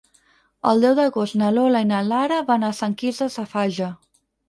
El deu d'agost na Lola i na Lara van a Sant Quirze Safaja.